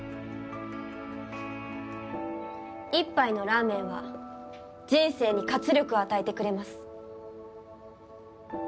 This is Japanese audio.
一杯のラーメンは人生に活力を与えてくれます。